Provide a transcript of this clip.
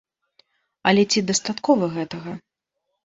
Але ці дастаткова гэтага?